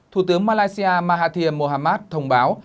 thủ tướng malaysia mahathir mohamad thông báo